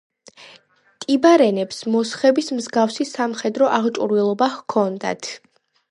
ტიბარენებს მოსხების მსგავსი სამხედრო აღჭურვილობა ჰქონდათ.